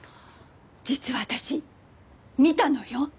実は私見たのよ。